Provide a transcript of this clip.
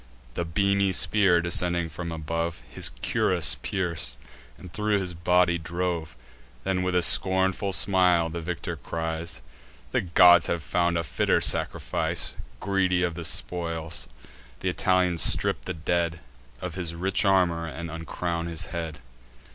The beamy spear, descending from above, His cuirass pierc'd, and thro' his body drove. Then, with a scornful smile, the victor cries: "The gods have found a fitter sacrifice." Greedy of spoils, th' Italians strip the dead Of his rich armour, and uncrown his head.